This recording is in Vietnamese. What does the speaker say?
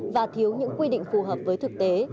và thiếu những quy định phù hợp với thực tế